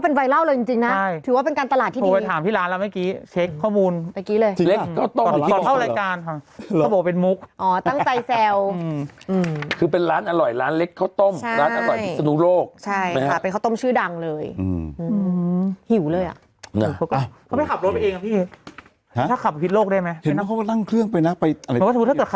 น่าไปวันนี้แหละตระกูลนั้นอืมอ๋อโอเค